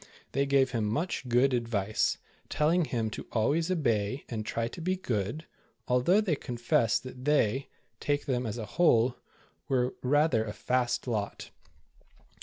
They gave him much good advice, telling him to always obey and try to be good, although they confessed that they, take them as a whole, were rather a *'fast" lot.